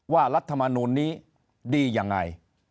ว่ารัฐธรรมนูลนี้ดียังไง